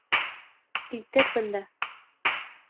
Килтер бында!